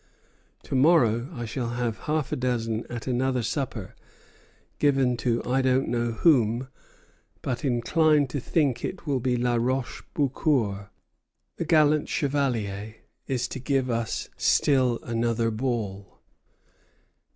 To morrow I shall have half a dozen at another supper, given to I don't know whom, but incline to think it will be La Roche Beaucour. The gallant Chevalier is to give us still another ball."